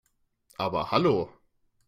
Aber hallo!